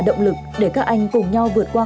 động lực để các anh cùng nhau vượt qua